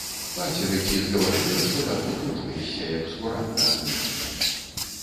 Пацеры ці згаварыла, што так выкручваешся, як скурат на агні.